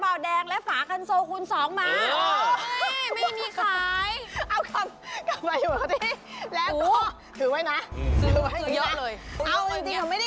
บ๊าวแดงช่วยคุณไทยเซอร์อาชีพปี๒